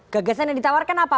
gagasan yang ditawarkan apa